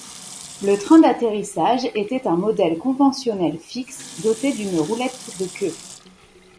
Le train d'atterrissage était un modèle conventionnel fixe, doté d'une roulette de queue.